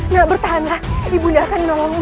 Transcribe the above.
nak bertahanlah ibu nia akan menolongmu